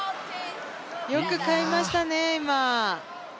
よく返しましたね、今。